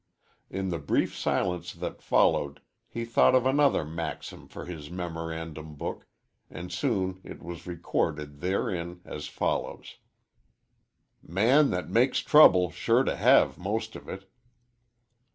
In the brief silence that followed he thought of another maxim for his memorandum book, and soon it was recorded therein as follows: _"Man that makes trouble sure to have most of it."